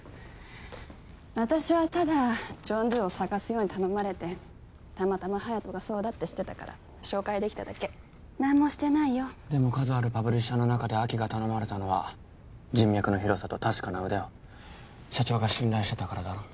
私はただジョン・ドゥを捜すように頼まれてたまたま隼人がそうだって知ってたから紹介できただけ何もしてないよでも数あるパブリッシャーの中で晶が頼まれたのは人脈の広さと確かな腕を社長が信頼してたからだろ？